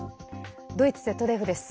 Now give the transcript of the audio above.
ドイツＺＤＦです。